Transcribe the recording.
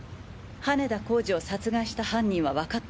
羽田浩司を殺害した犯人